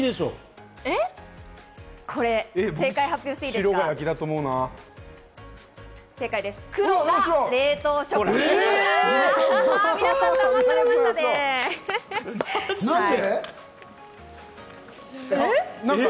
正解を発表していいですか？